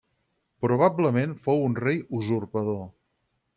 Probablement fou un rei usurpador.